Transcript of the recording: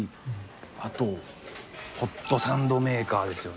あとホットサンドメーカーですよね。